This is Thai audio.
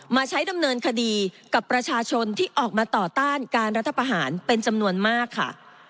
มาใช้ดำเนินคดีกับประชาชนที่ออกมาต่อต้านการรัฐประหารเป็นจำนวนมากค่ะ